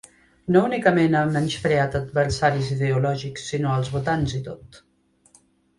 No únicament ha menyspreat adversaris ideològics, sinó els votants i tot.